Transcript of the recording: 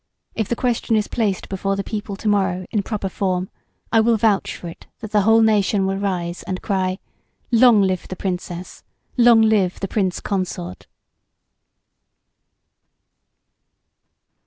If the question is placed before the people to morrow in proper form, I will vouch for it that the whole nation will rise and cry: 'Long live the Princess! Long live the Prince Consort!'"